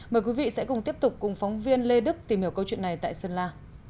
mời quý vị sẽ cùng tiếp tục cùng phóng viên lê đức tìm hiểu câu chuyện này tại sơn la